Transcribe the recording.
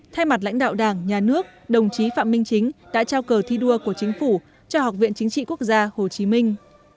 thay mặt lãnh đạo đảng nhà nước đồng chí phạm minh chính đã trao cờ thi đua của chính phủ cho học viện chính trị quốc gia hồ chí minh